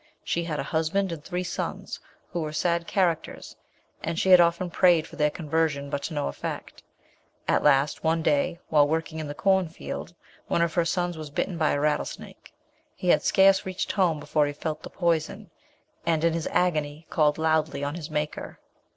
She had a husband and three sons, who were sad characters, and she had often prayed for their conversion but to no effect. At last, one day while working in the corn field, one of her sons was bitten by a rattlesnake. He had scarce reached home before he felt the poison, and in his agony called loudly on his Maker.